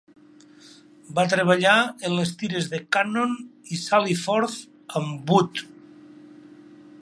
Va treballar en les tires de "Cannon" i "Sally Forth" amb Wood.